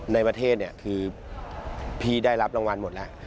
ในประเทศพี่ได้รับรางวัลหมดแล้ว